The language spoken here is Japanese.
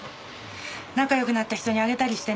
仲良くなった人にあげたりしてね。